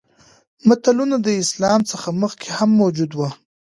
متلونه د اسلام څخه مخکې هم موجود وو